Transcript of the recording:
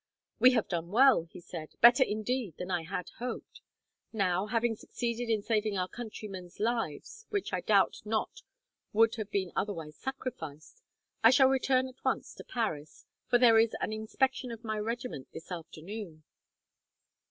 "We have done well," he said, "better indeed than I had hoped. Now, having succeeded in saving our countrymen's lives, which I doubt not would have been otherwise sacrificed, I shall return at once to Paris, for there is an inspection of my regiment this afternoon."